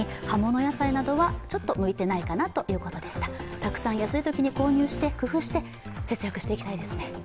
たくさん安いときに購入して、工夫して、節約していきたいですね。